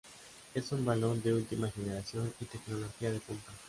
Es un balón de última generación y tecnología de punta.